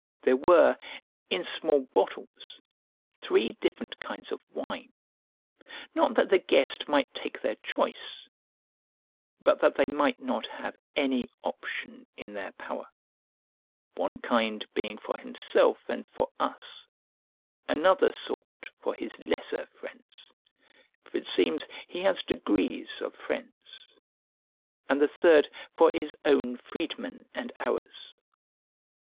There were, in small bottles, three different kinds of wine; not that the guest might take their choice, but that they might not have any option in their power; one kind being for himself, and for us; another sort for his lesser friends (for it seems he has degrees of friends), and the third for his own freedmen and ours.